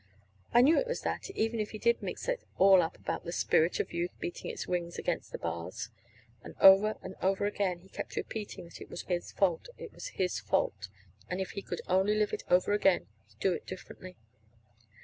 I knew it was that, even if he did mix it all up about the spirit of youth beating its wings against the bars. And over and over again he kept repeating that it was his fault, it was his fault; and if he could only live it over again he'd do differently.